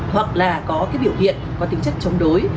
hoặc là có cái biểu hiện có tính chất chống đối